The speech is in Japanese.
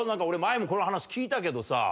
俺前もこの話聞いたけどさ。